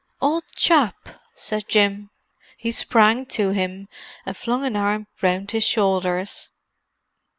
"Old chap!" said Jim. He sprang to him, and flung an arm round his shoulders.